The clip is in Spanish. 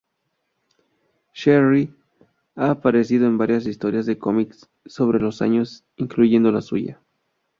Cheryl ha aparecido en varias historias del cómic sobre los años, incluyendo la suya.